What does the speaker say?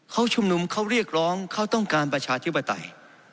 เขาชุมนุมเขาเรียกร้องเขาต้องการประชาธิปไตย